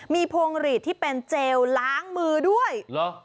มีพวงหลีดที่เป็นเจลล้างมือด้วยเหรอ